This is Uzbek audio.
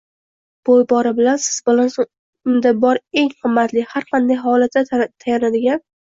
Bu ibora bilan siz bolani unda bor eng qimmatli, har qanday holatda tayanadigan.